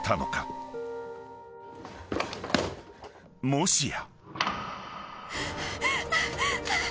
［もしや］